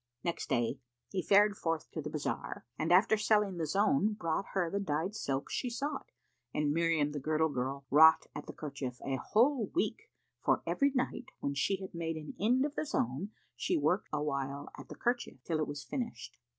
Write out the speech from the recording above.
So next day he fared forth to the bazar and after selling the zone brought her the dyed silks she sought and Miriam the Girdle girl wrought at the kerchief a whole week, for, every night, when she had made an end of the zone, she would work awhile at the kerchief till it was finished.